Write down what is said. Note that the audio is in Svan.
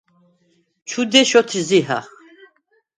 ჩუ დეშ ოთზიჰახ.